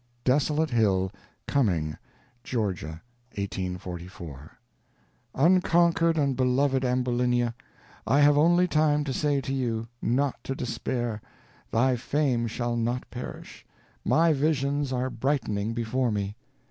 Desolate Hill, Cumming, Geo., 1844. Unconquered and Beloved Ambulinia I have only time to say to you, not to despair; thy fame shall not perish; my visions are brightening before me.